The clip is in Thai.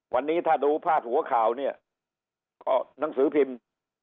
วันนี้ถ้าดูพาดหัวข่าวเนี่ยก็หนังสือพิมพ์